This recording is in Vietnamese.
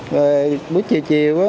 rồi buổi chiều chiều